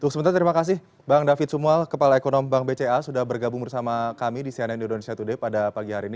sementara terima kasih bang david sumual kepala ekonomi bank bca sudah bergabung bersama kami di cnn indonesia today pada pagi hari ini